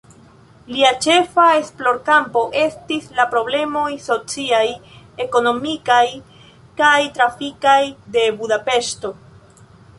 Lia ĉefa esplorkampo estis la problemoj sociaj, ekonomikaj kaj trafikaj de Budapeŝto.